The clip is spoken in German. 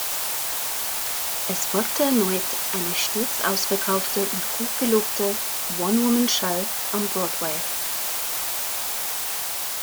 Es folgte erneut eine stets ausverkaufte und hochgelobte One-Woman-Show am Broadway.